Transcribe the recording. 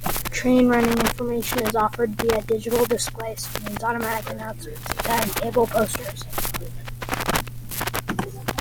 Train running information is offered via digital display screens, automatic announcements and timetable posters.